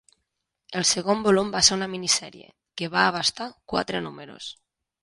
El segon volum va ser una minisèrie, que va abastar quatre números.